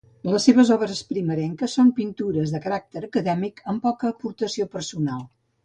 Les seves obres primerenques són pintures de caràcter acadèmic, amb poca aportació personal.